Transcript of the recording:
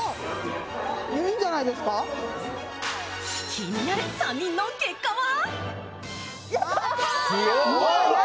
気になる３人の結果は？